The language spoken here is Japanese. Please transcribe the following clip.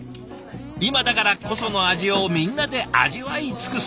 今だからこその味をみんなで味わい尽くす。